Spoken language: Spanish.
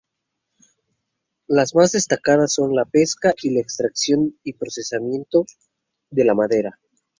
Las más destacadas son la pesca y la extracción y procesamiento de la madera.